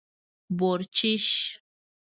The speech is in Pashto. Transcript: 🐊 بورچېش